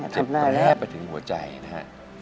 จับหน้าไปถึงหัวใจนะฮะ